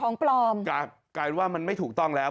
ของปลอมกลายว่ามันไม่ถูกต้องแล้ว